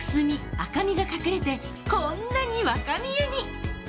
赤みが隠れてこんなに若見えに。